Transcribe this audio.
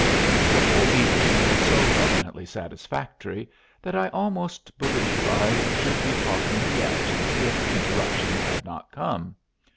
The whole evening was so eminently satisfactory that I almost believe I should be talking yet, if interruption had not come.